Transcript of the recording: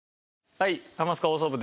はい。